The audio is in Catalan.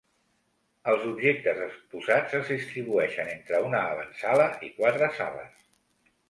Els objectes exposats es distribueixen entre una avantsala i quatre sales.